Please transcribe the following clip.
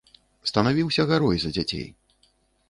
Станавіўся гарой за дзяцей.